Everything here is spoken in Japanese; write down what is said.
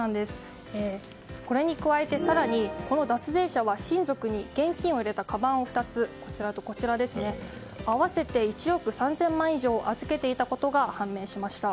これに加えて更にこの脱税者は親族に現金を入れたかばんを２つ合わせて１億３０００万以上を預けていたことが判明しました。